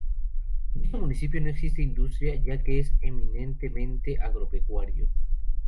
En dicho Municipio no existe industria ya que es eminentemente agropecuario.